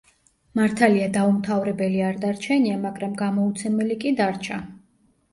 მართალია დაუმთავრებელი არ დარჩენია, მაგრამ გამოუცემელი კი დარჩა.